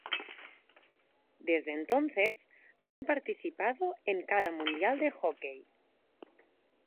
Desde entonces han participado en cada mundial de hockey.